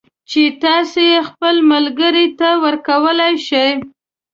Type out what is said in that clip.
چې تاسو یې خپل ملگري ته ورکولای شئ